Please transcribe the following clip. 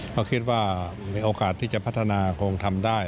เพราะคิดว่ามีโอกาสที่จะพัฒนาคงทำได้